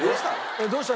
どうした？